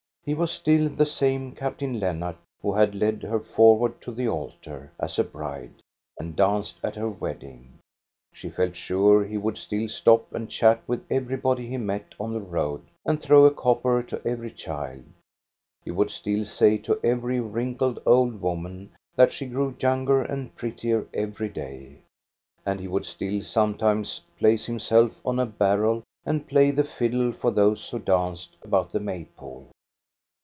He was still the same Captain Lennart who had led her forward to the altar, as a bride, and danced at her wedding. She felt sure he would still stop and chat with everybody he met on the road and throw a copper to every child; he would still say to every wrinkled old woman that she grew younger and prettier ever day; and he would still sometimes place himself on a barrel and play the fiddle for those who danced about the Maypole.